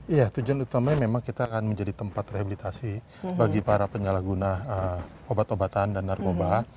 iya tujuan utamanya memang kita akan menjadi tempat rehabilitasi bagi para penyalahguna obat obatan dan narkoba